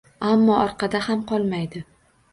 Ammo orqada ham qolmaydi.